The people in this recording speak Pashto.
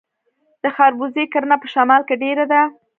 د خربوزې کرنه په شمال کې ډیره ده.